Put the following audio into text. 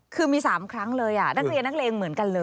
คือมี๓ครั้งเลยนักเรียนนักเลงเหมือนกันเลย